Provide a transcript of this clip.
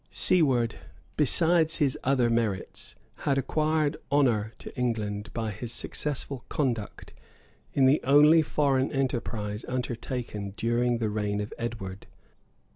Siward, besides his other merits, had acquired honor to England by his successful conduct in the only foreign enterprise undertaken during the reign of Edward.